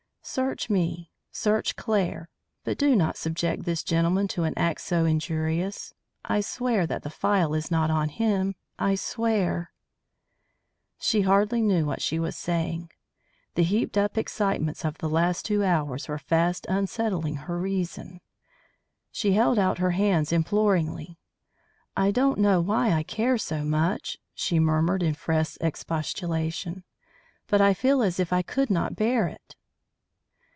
Search me; search Claire; but do not subject this gentleman to an act so injurious. I swear that the phial is not on him! I swear " She hardly knew what she was saying. The heaped up excitements of the last two hours were fast unsettling her reason. She held out her hands imploringly. "I don't know why I care so much," she murmured in fresh expostulation, "but I feel as if I could not bear it."